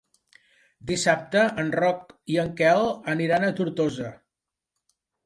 Dissabte en Roc i en Quel aniran a Tortosa.